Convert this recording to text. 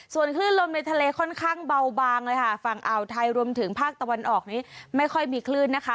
ส่วนคลื่นลมในทะเลค่อนข้างเบาบางเลยค่ะฝั่งอ่าวไทยรวมถึงภาคตะวันออกนี้ไม่ค่อยมีคลื่นนะคะ